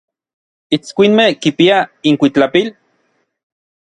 ¿Itskuinmej kipiaj inkuitlapil?